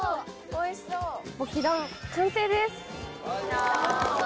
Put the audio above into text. ポキ丼完成です。